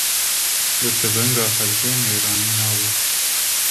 Bi tifinga xelkê mêrani nabe